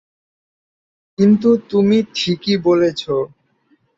কিন্তু তুমি ঠিকই বলেছ।